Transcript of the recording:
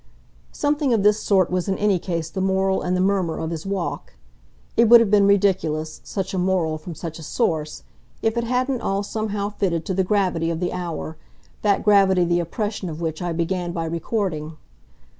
Something of this sort was in any case the moral and the murmur of his walk. It would have been ridiculous such a moral from such a source if it hadn't all somehow fitted to the gravity of the hour, that gravity the oppression of which I began by recording.